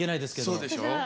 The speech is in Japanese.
そうでしょ。